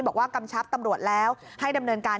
กำชับตำรวจแล้วให้ดำเนินการ